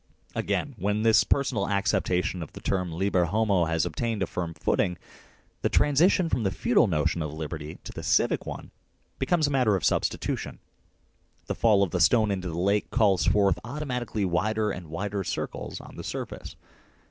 Again, when this personal acceptation of the term " liber homo " has obtained a firm footing, the transition from the feudal notion of liberty to the civic one becomes a matter of substitu tion. The fall of the stone into the lake calls forth automatically wider and wider circles on the surface.